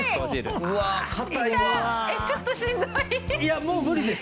ちょっとしんどい。